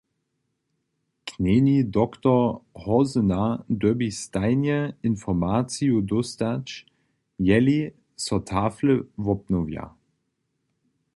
Knjeni dr. Hozyna dyrbi stajnje informaciju dóstać, jeli so tafle wobnowja.